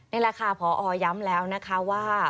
นี่แหละค่ะพอย้ำแล้วนะคะว่า